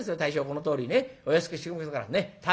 このとおりねお安くしときますからねっ大将」。